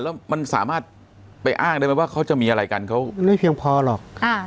แล้วมันสามารถไปอ้างได้ไหมว่าเขาจะมีอะไรกันเขาไม่เพียงพอหรอก